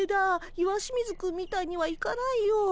石清水くんみたいにはいかないよ。